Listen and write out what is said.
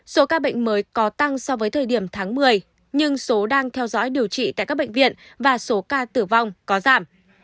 số ca bệnh mới có tăng so với thời điểm tháng một mươi nhưng số đang theo dõi điều trị tại các bệnh viện và số ca tử vong có giảm